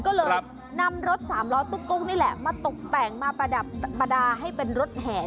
ก็เลยนำรถสามล้อตุ๊กนี่แหละมาตกแต่งมาประดับประดาให้เป็นรถแห่